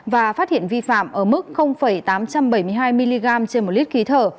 và phát hiện vi phạm ở mức tám trăm bảy mươi hai mg trên một lít khí thở